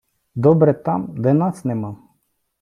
Добре там, де нас нема.